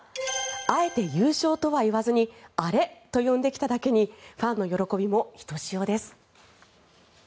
あえて優勝とは言わずにアレと呼んできただけにファンの喜びもひとしおです。